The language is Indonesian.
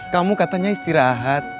kamu katanya istirahat